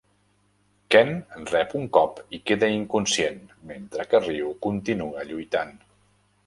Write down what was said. Ken rep un cop i queda inconscient, mentre que Ryu continua lluitant.